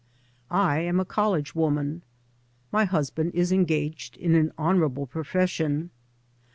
\l, am a college woman. My husband Is ejoil^ged in an honourable profession.